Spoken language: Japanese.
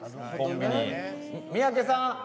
三宅さん